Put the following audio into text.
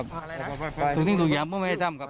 ก็คุณตามมาอยู่กรงกีฬาดครับ